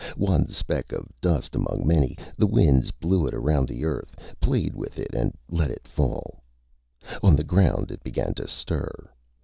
One speck of dust among many, the winds blew it around the Earth, played with it, and let it fall. On the ground, it began to stir.